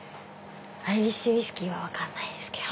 アイリッシュウイスキーは分からないけど。